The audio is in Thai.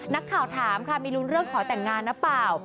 นักข่าวถามค่ะมีลุ้นเรื่องขอแต่งงานหรือเปล่า